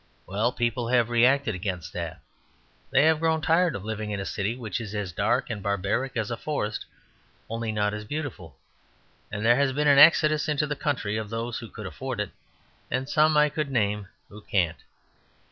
Well, people have reacted against that; they have grown tired of living in a city which is as dark and barbaric as a forest only not as beautiful, and there has been an exodus into the country of those who could afford it, and some I could name who can't.